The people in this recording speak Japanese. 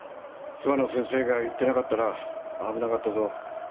諏訪野先生が行ってなかったら危なかったぞ。